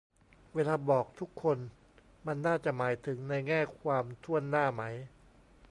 เวลาบอก "ทุกคน" มันน่าจะหมายถึงในแง่ความถ้วนหน้าไหม